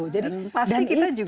jadi pasti kita juga